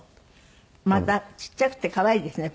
またちっちゃくて可愛いですね